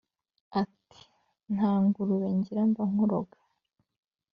Ati: "Nta ngurube ngira mba nkuroga!